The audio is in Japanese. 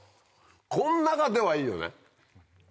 こん中ではいいよね。